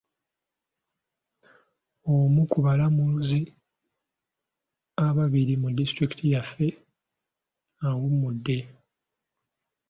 Omu ku balamuzi ababiri mu disitulikiti yaffe awummudde.